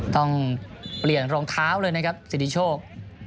ต้องเปลี่ยนรองเท้าเลยนะครับสิทธิโชค